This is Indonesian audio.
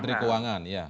menteri keuangan ya